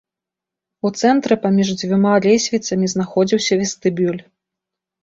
У цэнтры паміж дзвюма лесвіцамі знаходзіўся вестыбюль.